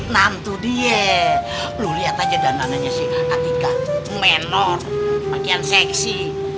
nantu dia lu lihat aja dandananya si adhika menor bagian seksi